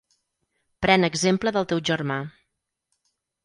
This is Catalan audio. Pren exemple del teu germà.